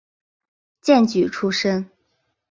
荐举出身。